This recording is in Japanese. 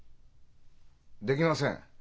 できません。